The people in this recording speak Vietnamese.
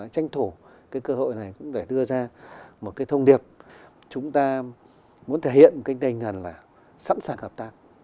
tranh thủ cái cơ hội này cũng phải đưa ra một cái thông điệp chúng ta muốn thể hiện một cách đầy ngần là sẵn sàng hợp tác